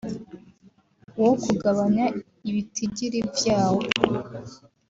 wo kugabanya ibitigiri vyabo